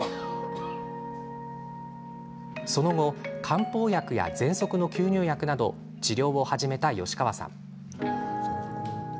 その後、漢方薬やぜんそくの吸入薬など治療を始めた吉川さん。